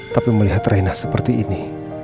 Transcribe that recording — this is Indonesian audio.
tapi melihat raina seperti ini